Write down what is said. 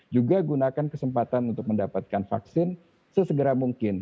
juga gunakan kesempatan untuk mendapatkan vaksin sesegera mungkin